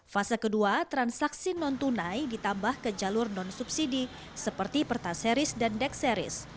fase kedua transaksi non tunai ditambah ke jalur non subsidi seperti pertaseris dan dex series